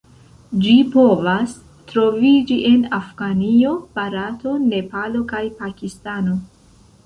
Ĝi povas troviĝi en Afganio, Barato, Nepalo kaj Pakistano.